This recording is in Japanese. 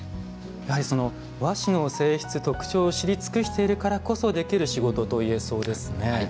和紙の性質、特徴を知り尽くしているからこそできる仕事といえそうですね。